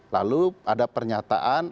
lalu ada pernyataan